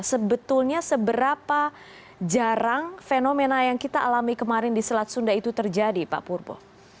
sebetulnya seberapa jarang fenomena yang kita alami kemarin di selat sunda itu terjadi pak purbo